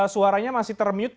suaranya masih termute